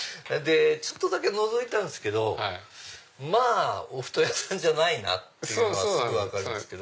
ちょっとだけのぞいたんすけどまぁお布団屋さんじゃないなってすぐ分かるんですけど。